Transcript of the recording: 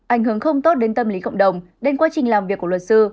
ảnh hưởng không tốt đến tâm lý cộng đồng đến quá trình làm việc của luật sư